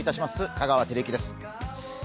香川照之です。